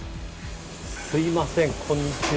すいませんこんにちは。